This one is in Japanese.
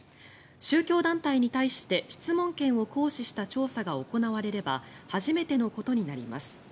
宗教団体に対して質問権を行使した調査が行われれば初めてのことになります。